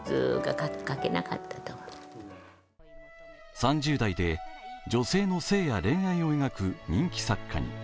３０代で女性の性や恋愛を描く人気作家に。